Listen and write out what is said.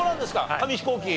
紙飛行機。